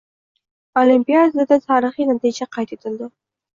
Olimpiadada tarixiy natija qayd etildi